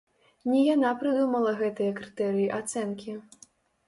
Не яна прыдумала гэтыя крытэрыі ацэнкі.